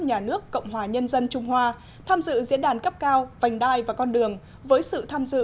nhà nước cộng hòa nhân dân trung hoa tham dự diễn đàn cấp cao vành đai và con đường với sự tham dự